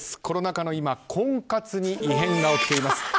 コロナ禍の今婚活に異変が起きています。